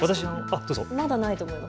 まだないと思います。